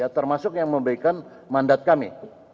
termasuk yang memberikan mandat kami